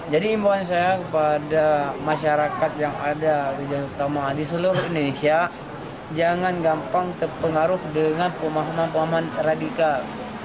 jadi impon saya kepada masyarakat yang ada di jaringan utama di seluruh indonesia jangan gampang terpengaruh dengan pemahaman pemahaman radikal